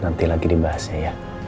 nanti lagi dibahasnya ya